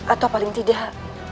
atau paling tidak